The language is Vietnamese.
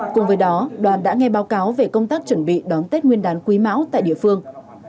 cùng với đó đoàn đã nghe báo cáo về công tác chuẩn bị đón tết nguyên đán quý mão tại địa phương